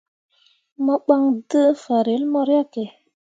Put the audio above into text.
Mo ɓan d̃ǝǝ fanrel mo riahke.